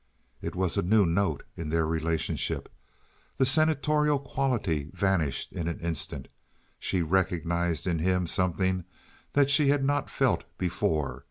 It was a new note in their relationship. The senatorial quality vanished in an instant. She recognized in him something that she had not felt before.